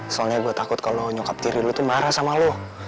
soalnya gue takut kalau nyokap tiri lu tuh marah sama lo